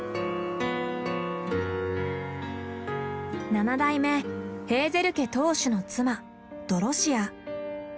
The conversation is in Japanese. ７代目ヘーゼル家当主の妻ドロシア。